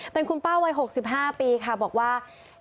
เป็นคุณป้าวัย๖๕ปีค่ะบอกว่า